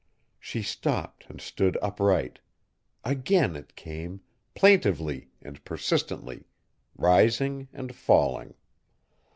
She stopped and stood upright. Again it came, plaintively and persistently, rising and falling.